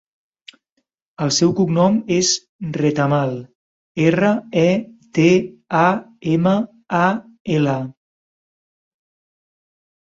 El seu cognom és Retamal: erra, e, te, a, ema, a, ela.